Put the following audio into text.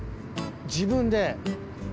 自分で！